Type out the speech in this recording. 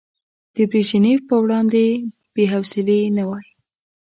د بريژينف په وړاندې بې حوصلې نه وای.